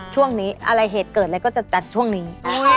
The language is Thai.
ช่วงนี้อะไรเหตุเกิดอะไรก็จะจัดช่วงนี้